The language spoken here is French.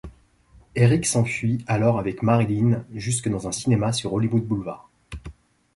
Eric s'enfuit alors avec Marilyn jusque dans un cinéma sur Hollywood Boulevard.